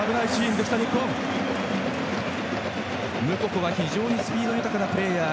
ムココは非常にスピード豊かなプレーヤー。